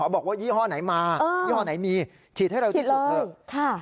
บอกว่ายี่ห้อไหนมายี่ห้อไหนมีฉีดให้เร็วที่สุดเถอะ